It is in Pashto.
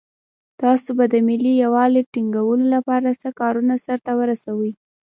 تاسو به د ملي یووالي ټینګولو لپاره څه کارونه سرته ورسوئ.